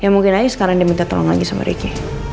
ya mungkin aja sekarang diminta tolong lagi sama ricky